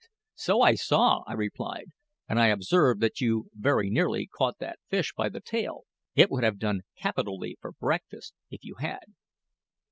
"So I saw," I replied; "and I observed that you very nearly caught that fish by the tail. It would have done capitally for breakfast, if you had."